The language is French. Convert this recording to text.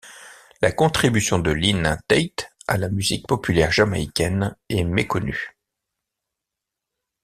La contribution de Lynn Taitt à la musique populaire jamaïcaine est méconnue.